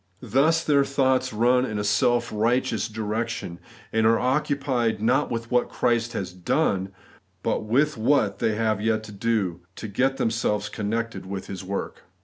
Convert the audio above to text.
Thus their thoughts run in a self righteous direction, and are occupied, not with what Christ has done, but with what they have yet to do, to get themselves connected with His work.